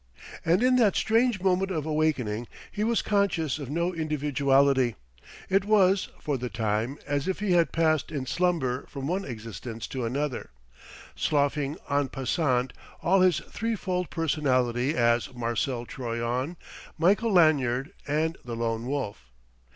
And in that strange moment of awakening he was conscious of no individuality: it was, for the time, as if he had passed in slumber from one existence to another, sloughing en passant all his three fold personality as Marcel Troyon, Michael Lanyard, and the Lone Wolf.